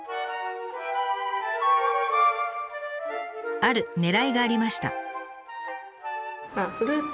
あるねらいがありました。